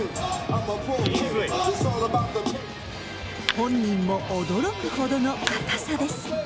本人も驚くほどの硬さです。